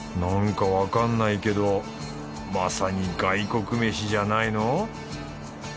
なんかわかんないけどまさにガイコク飯じゃないの？